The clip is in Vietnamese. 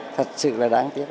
thật sự là đáng tiếc